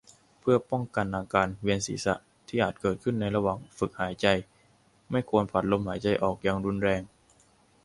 เพื่อป้องกันอาการเวียนศีรษะที่อาจเกิดขึ้นในระหว่างฝึกหายใจ ไม่ควรผ่อนลมหายใจออกอย่างรุนแรง